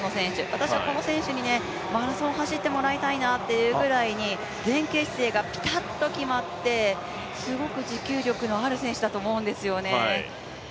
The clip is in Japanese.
私はこの選手にマラソンを走ってもらいたいなというぐらいに、前傾姿勢がピタッと決まってすごく持久力のある選手だと思うんですよね。